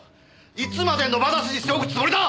いつまで野放しにしておくつもりだ！